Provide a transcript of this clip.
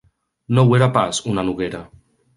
No ho era pas, una noguera.